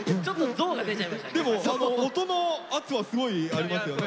でも音の圧はすごいありますよね。